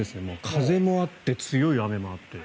風もあって強い雨もあって。